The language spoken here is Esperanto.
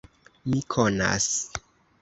Mi konas.